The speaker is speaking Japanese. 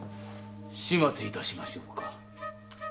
始末いたしましょうか。